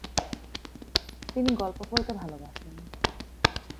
তিনি গল্প বলতে ভালবাসেন।